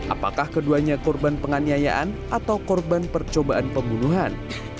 apakah keduanya korban penganiayaan atau korban percobaan pembunuhan